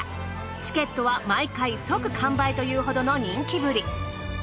チケットは毎回即完売というほどの人気ぶり。